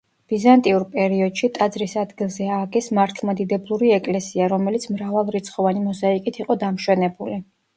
ბიზანტიურ პერიოდში ტაძრის ადგილზე ააგეს მართლმადიდებლური ეკლესია, რომელიც მრავალრიცხოვანი მოზაიკით იყო დამშვენებული.